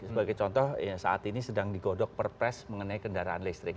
sebagai contoh saat ini sedang digodok perpres mengenai kendaraan listrik